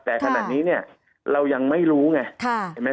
แต่ขนาดนี้เรายังไม่รู้ไง